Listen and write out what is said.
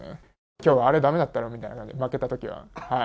きょうはあれだめだったねみたいな、負けたときは。